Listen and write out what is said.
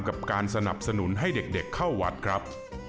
กับการสนับสนุนให้เด็กเข้าวัดครับ